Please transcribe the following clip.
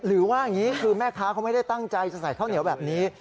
หรือว่าอย่างนี้คือแม่ค้าเขาไม่ได้ตั้งใจจะใส่ข้าวเหนียวแบบนี้